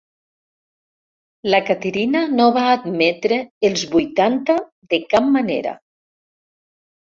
La Caterina no va admetre els vuitanta de cap manera.